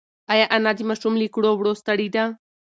ایا انا د ماشوم له کړو وړو ستړې ده؟